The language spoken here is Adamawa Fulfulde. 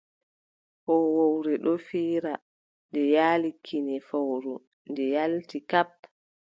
Hoowowre ɗon fiira, nde yaali kine fowru, nde yaalti. Kap!